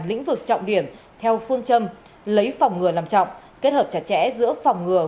lĩnh vực trọng điểm theo phương châm lấy phòng ngừa làm trọng kết hợp chặt chẽ giữa phòng ngừa